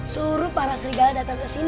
suruh para serigala datang ke sini